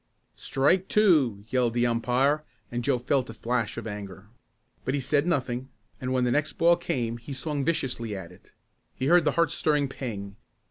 "Strike two!" yelled the umpire and Joe felt a flash of anger. But he said nothing, and when the next ball came he swung viciously at it. He heard the heart stirring ping!